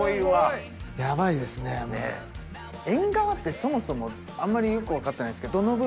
そもそもあんまりよく分かってないですけど。